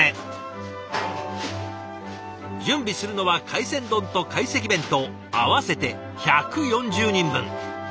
準備するのは海鮮丼と懐石弁当合わせて１４０人分。